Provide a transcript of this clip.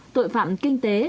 tội phạm kinh tế